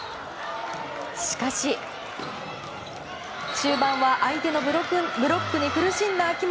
しかし、終盤は相手のブロックに苦しんだ秋本。